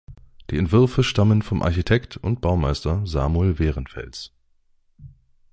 Die Entwürfe stammen vom Architekt und Baumeister Samuel Werenfels.